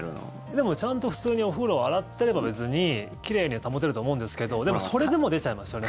でも、ちゃんと普通にお風呂洗ってれば別に奇麗には保てると思うんですけどでもそれでも出ちゃいますよね。